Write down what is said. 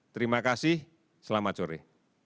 terima kasih selamat sore